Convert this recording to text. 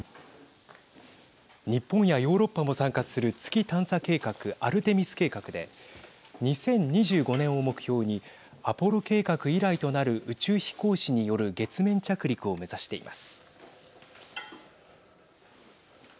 日本やヨーロッパも参加する月探査計画アルテミス計画で２０２５年を目標にアポロ計画以来となる宇宙飛行士による月面着陸を目指しています。